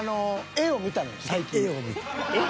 ［絵を見た］